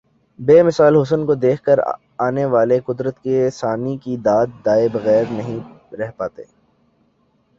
بے مثال حسن کو دیکھ کر آنے والے قدرت کی صناعی کی داد دئے بغیر نہیں رہ پاتے ۔